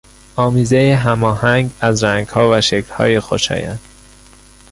آمیزهی هماهنگ از رنگها و شکلهای خوشایند